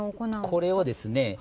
これをですね